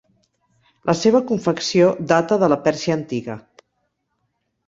La seva confecció data de la Pèrsia antiga.